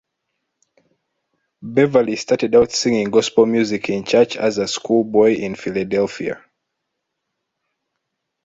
Beverly started out singing gospel music in church as a schoolboy in Philadelphia.